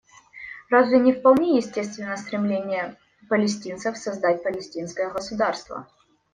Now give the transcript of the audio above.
Разве не вполне естественно стремление палестинцев создать палестинское государство?